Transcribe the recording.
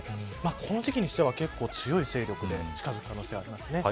この時期としては結構強い勢力で近づく可能性があります。